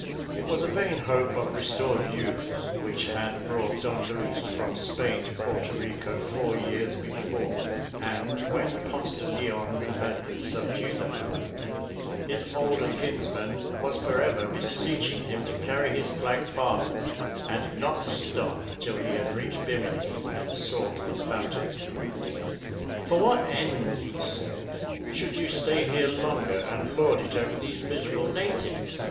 It was a vain hope of restored youth which had brought Don Luis from Spain to Porto Rico four years before; and, when Ponce de Leon had subdued that island, his older kinsman was forever beseeching him to carry his flag farther, and not stop till he had reached Bimini, and sought the Fountain of Youth. "For what end," he said, "should you stay here longer and lord it over these miserable natives?